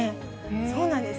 そうなんです。